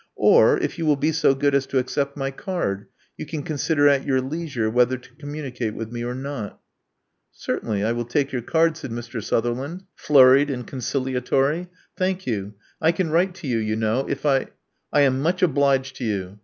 Or if you will be so good as to accept my card, you can consider at your leisure whether to communicate with me or not." •*Certainly, I will take your card," said Mr. Suther 12 Love Among the Artists land, flurried and conciliatory. '* Thank yon. I can write to you, you, know, if I " I am much obliged to you."